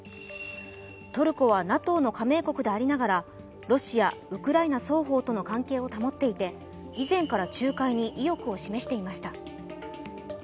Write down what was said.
トルコはＮＡＴＯの加盟国でありながら、ロシア、ウクライナ双方との関係を保っていて以前から仲介に意欲を示していました。